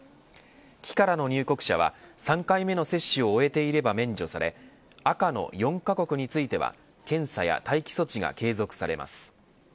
黄からの入国者は３回目の接種を終えていれば免除され赤の４カ国については検査や待機措置が継続されます。